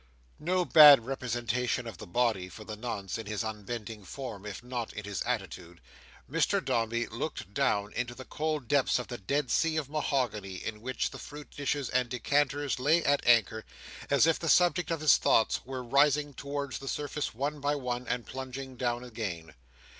No bad representation of the body, for the nonce, in his unbending form, if not in his attitude, Mr Dombey looked down into the cold depths of the dead sea of mahogany on which the fruit dishes and decanters lay at anchor: as if the subjects of his thoughts were rising towards the surface one by one, and plunging down again.